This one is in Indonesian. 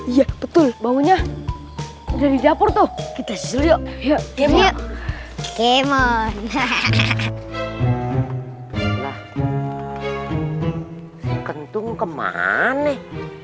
iya betul baunya dari dapur tuh kita seliuk ya gimana kemon hahaha lah kentung kemaneh